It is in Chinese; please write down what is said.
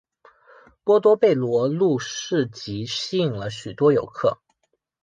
波多贝罗路市集吸引了许多游客。